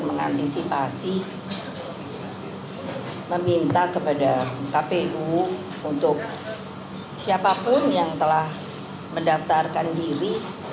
mengantisipasi meminta kepada kpu untuk siapapun yang telah mendaftarkan diri